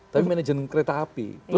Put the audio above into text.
tapi manajemen kereta api